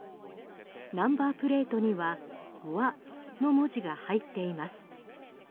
ナンバープレートには「わ」の文字が入っています。